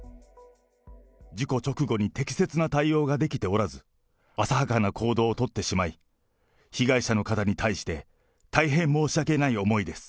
事故直後に適切な対応ができておらず、浅はかな行動を取ってしまい、被害者の方に対して大変申し訳ない思いです。